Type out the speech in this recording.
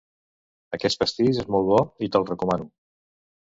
Aquest pastís és molt bo, i te'l recomano.